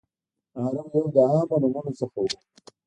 د عربو یو له عامو نومونو څخه و.